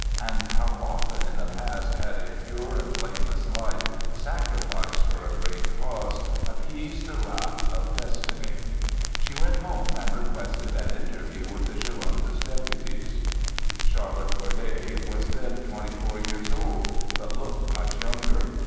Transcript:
And how often in the past had a pure and blameless life sacrificed for a great cause appeased the wrath of Destiny! She went home and requested an interview with the Girondist deputies. Charlotte Corday was then twenty four years old, but looked much younger.